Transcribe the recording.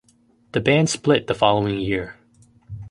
The band split the following year.